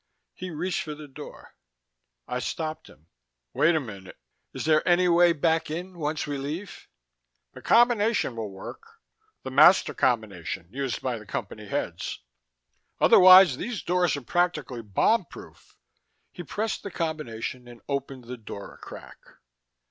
He reached for the door. I stopped him. "Wait a minute. Is there any way back in, once we leave?" "The combination will work the master combination used by the Company heads. Otherwise, these doors are practically bomb proof!" He pressed the combination and opened the door a crack.